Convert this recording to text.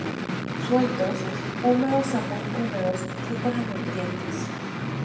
Sueltos, húmedos a muy húmedos, ricos en nutrientes.